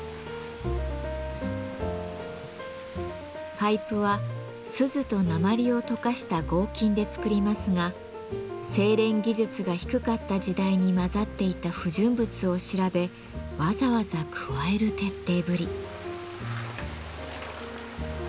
パイプは錫と鉛を溶かした合金で作りますが精錬技術が低かった時代に混ざっていた不純物を調べわざわざ加える徹底ぶり。